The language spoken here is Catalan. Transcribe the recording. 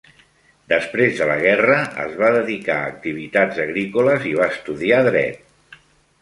Després de la guerra, es va dedicar a activitats agrícoles i va estudiar dret.